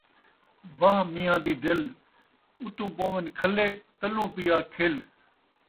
واہ میاں دی دِل ، اتوں پوون کھلے تلوں پیا کھل